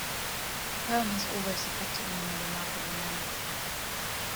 The poem has always affected me in a remarkable manner.